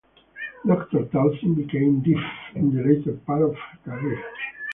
Doctor Taussig became deaf in the later part of her career.